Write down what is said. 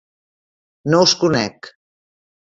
-No us conec.